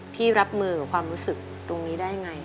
รับมือกับความรู้สึกตรงนี้ได้ไง